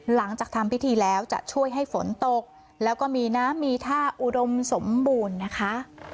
หลังจากทำพิธีแล้วจะช่วยให้ฝนตกแล้วก็มีน้ำมีท่าอุดมสมบูรณ์นะคะ